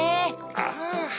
ああ。